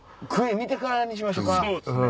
クエ見てからにしましょか。